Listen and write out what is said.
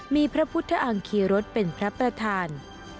มีพระพุทธอังคีรสเป็นพระประธาน